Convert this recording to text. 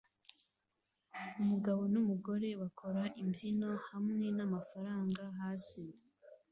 Umugabo numugore bakora imbyino hamwe namafaranga hasi